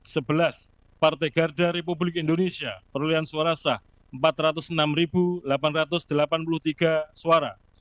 sebelas partai garda republik indonesia perolehan suara sah empat ratus enam delapan ratus delapan puluh tiga suara